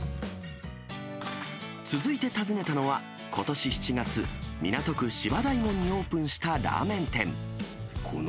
続いて訪ねたのは、ことし７月、港区芝大門にオープンしたラーメン店。